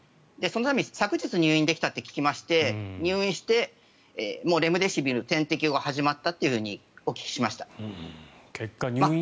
昨日入院できたと聞きまして入院してもうレムデシビル点滴が始まったとお聞きしました。